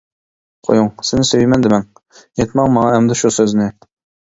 قويۇڭ، سېنى سۆيىمەن دېمەڭ، ئېيتماڭ ماڭا ئەمدى شۇ سۆزنى.